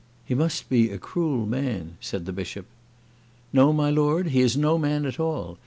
"He must be a cruel man," said the Bishop. "No, my lord; he is no man at all.